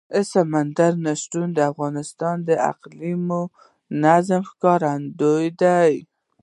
سمندر نه شتون د افغانستان د اقلیمي نظام ښکارندوی ده.